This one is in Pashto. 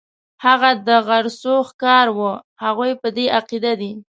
هغه د غرڅو ښکاري وو، هغوی په دې عقیده دي.